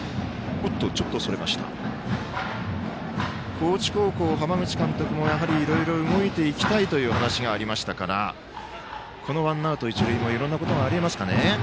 高知高校、浜口監督もいろいろ動いていきたいという話がありましたからこのワンアウト、一塁もいろんなことがありえますかね。